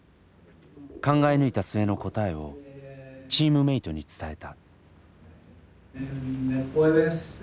考え抜いた末の答えをチームメートに伝えた。